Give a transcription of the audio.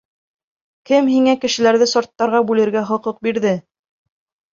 Кем һиңә кешеләрҙе сорттарға бүлергә хоҡуҡ бирҙе?